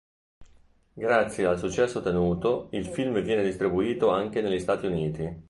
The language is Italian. Grazie al successo ottenuto, il film viene distribuito anche negli Stati Uniti.